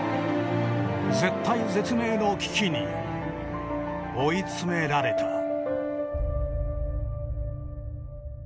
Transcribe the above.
絶体絶命の危機に追い詰められた。